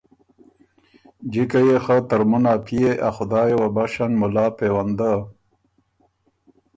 جِکه يې خه ترمُن ا پئے ا خدایه وه بشن مُلا پېونده